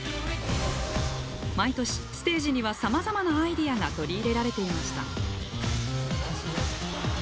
毎年ステージにはさまざまなアイデアが取り入れられていました。